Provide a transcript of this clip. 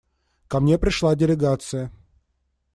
Ко мне пришла делегация.